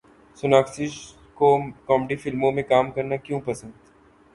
سوناکشی کو کامیڈی فلموں میں کام کرنا کیوں پسند